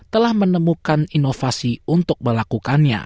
telah menemukan inovasi untuk melakukannya